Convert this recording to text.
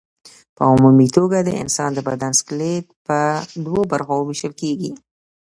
په عمومي توګه د انسان د بدن سکلېټ په دوو برخو ویشل کېږي.